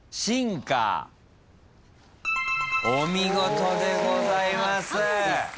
お見事でございます。